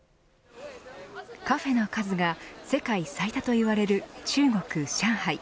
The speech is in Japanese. カフェの数が世界最多といわれる中国、上海。